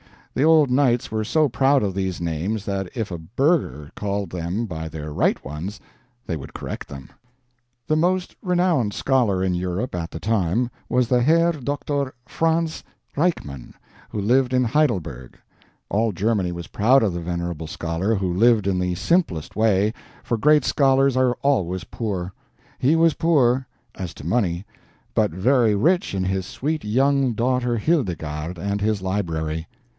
The old knights were so proud of these names that if a burgher called them by their right ones they would correct them. The most renowned scholar in Europe, at the time, was the Herr Doctor Franz Reikmann, who lived in Heidelberg. All Germany was proud of the venerable scholar, who lived in the simplest way, for great scholars are always poor. He was poor, as to money, but very rich in his sweet young daughter Hildegarde and his library.